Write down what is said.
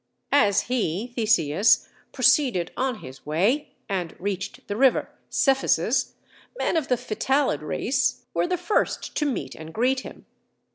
As he [Theseus] proceeded on his way, and reached the river Cephisus, men of the Phytalid race were the first to meet and greet him.